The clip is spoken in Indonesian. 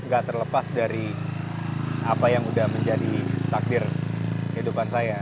gak terlepas dari apa yang udah menjadi takdir kehidupan saya